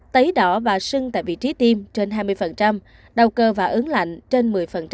tấy đỏ và sưng tại vị trí tiêm trên hai mươi đau cơ và ấn lạnh trên một mươi